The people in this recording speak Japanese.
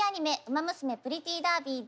「ウマ娘プリティーダービー」